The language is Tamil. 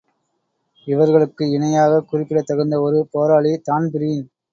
இவர்களுக்கு இணையாகக் குறிப்பிடத் தகுந்த ஒரு போராளி தான்பிரீன்.